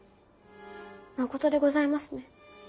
まことでございますね。